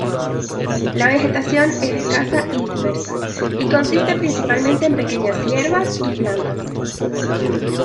La vegetación es escasa y dispersa, y consiste principalmente en pequeñas hierbas y plantas.